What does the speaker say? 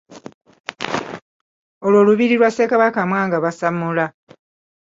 Olwo lubiri lwa Ssekabaka Mwanga Basammula.